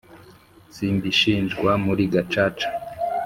simbishinjwa muri gacaca,